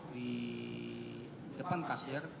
di depan kasir